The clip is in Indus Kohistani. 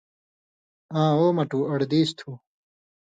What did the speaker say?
”آں او مٹُو اڑ دیس تُھو،